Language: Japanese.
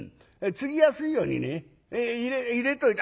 つぎやすいようにね入れといて。